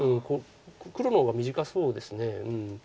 黒の方が短そうです。